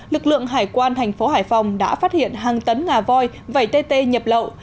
lực lượng hải quan thành phố hải phòng đã phát hiện hàng tấn ngà voi vẩy tê tê nhập lậu